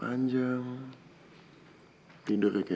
asal gitu yuk